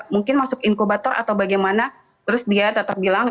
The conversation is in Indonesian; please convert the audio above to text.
mungkin masuk inkubator atau bagaimana terus dia tetap bilang